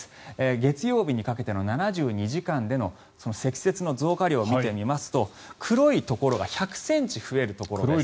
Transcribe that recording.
月曜日にかけての７２時間の積雪の増加量を見てみますと黒いところが１００ｃｍ増えるところです。